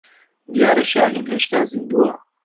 دیارە شاھین هێشتا زیندووە.